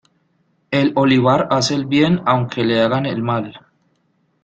El olivar hace el bien, aunque le hagan el mal.